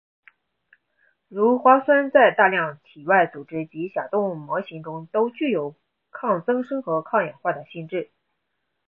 鞣花酸在大量体外组织及小动物模型中都具有抗增生和抗氧化的性质。